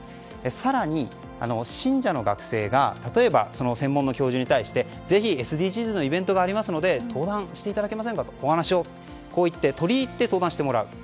更に信者の学生が例えば、専門の教授に対してぜひＳＤＧｓのイベントがありますので登壇していただけませんかと取り入って登壇してもらうと。